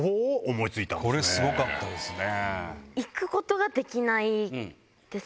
これすごかったですね。